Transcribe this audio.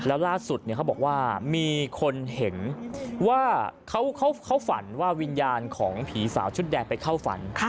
แล้วล่าสุดเขาบอกว่ามีคนเห็นว่าเขาฝันว่าวิญญาณของผีสาวชุดแดงไปเข้าฝัน